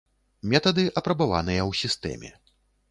Метады апрабаваныя ў сістэме.